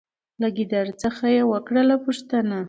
له ګیدړ څخه یې وکړله پوښتنه